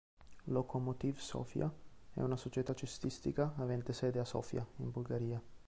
Lokomotiv Sofia è una società cestistica avente sede a Sofia, in Bulgaria.